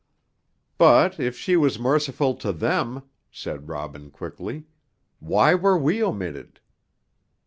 "But if she was merciful to them," said Robin, quickly, "why were we omitted?"